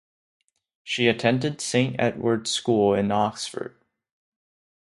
She attended Saint Edward's School in Oxford.